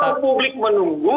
sekarang publik menunggu